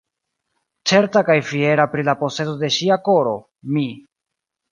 Certa kaj fiera pri la posedo de ŝia koro, mi.